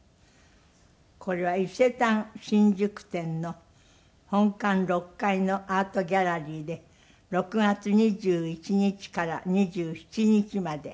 これは伊勢丹新宿店の本館６階のアートギャラリーで６月２１日から２７日まで。